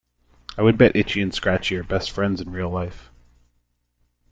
I would bet Itchy and Scratchy are best friends in real life.